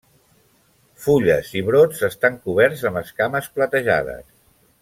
Fulles i brots estan coberts amb esquames platejades.